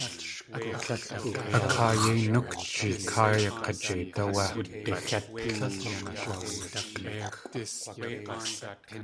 A káa yei nukji káayag̲ijeit áwé.